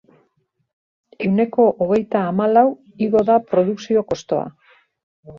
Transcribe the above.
Ehuneko hogeita hamalau igo da produkzio kostoa.